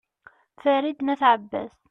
farid n at abbas